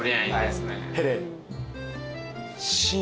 ヘレ。